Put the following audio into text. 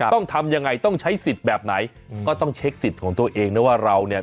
ต้องทำยังไงต้องใช้สิทธิ์แบบไหนก็ต้องเช็คสิทธิ์ของตัวเองนะว่าเราเนี่ย